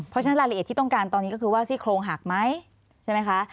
เพราะฉะนั้นรายละเอียดที่ต้องการตอนนี้ก็คือว่าซี่โครงหักไหมใช่ไหมคะ